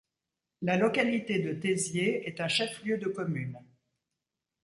La localité de Tézié est un chef-lieu de commune.